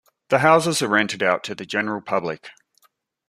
The houses are rented out to the general public.